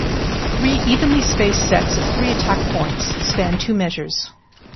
Three evenly spaced sets of three attack-points span two measures.